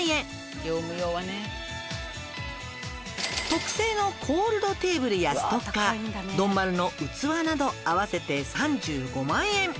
「特製のコールドテーブルやストッカー丼丸の器など合わせて３５万円」